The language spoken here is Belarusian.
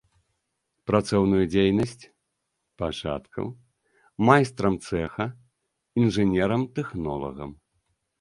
Працоўную дзейнасць пачаткаў майстрам цэха, інжынерам-тэхнолагам.